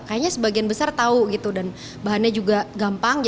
kayaknya sebagian besar tahu gitu dan bahannya juga gampang